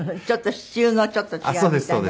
シチューのちょっと違うみたいな。